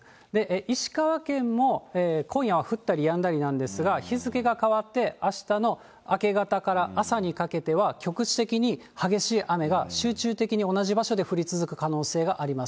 石川県も、今夜は降ったりやんだりなんですが、日付が変わって、あしたの明け方から朝にかけては、局地的に激しい雨が集中的に同じ場所で降り続く可能性があります。